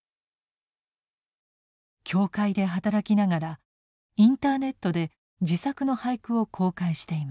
教会で働きながらインターネットで自作の俳句を公開しています。